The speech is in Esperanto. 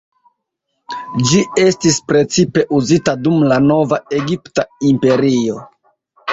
Ĝi estis precipe uzita dum la Nova Egipta Imperio.